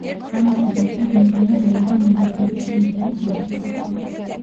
ამასთან ერთად, მუდმივად ელოდა მამლუქების შემოსევას სამხრეთიდან.